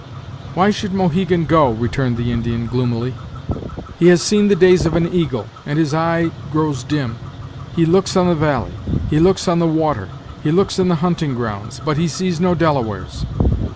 "Why should Mohegan go?" returned the Indian, gloomily. "He has seen the days of an eagle, and his eye grows dim He looks on the valley; he looks on the water; he looks in the hunting grounds but he sees no Delawares.